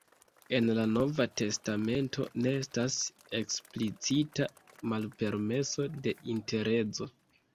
En la nova testamento ne estas eksplicita malpermeso de interezo.